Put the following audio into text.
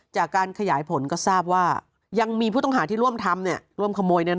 จากการขยายผลก็ทราบว่ายังมีผู้ต้องหาที่ร่วมทำร่วมขโมย